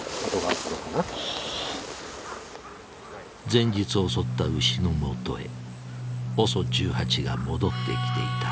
前日襲った牛のもとへＯＳＯ１８が戻ってきていた。